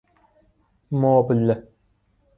مبل